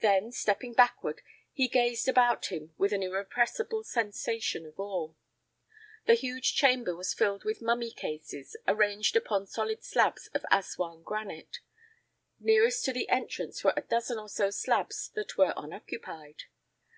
Then, stepping backward, he gazed about him with an irrepressible sensation of awe. The huge chamber was filled with mummy cases, arranged upon solid slabs of Aswan granite. Nearest to the entrance were a dozen or so slabs that were unoccupied.